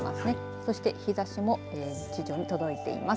そして、日ざしも徐々に届いています。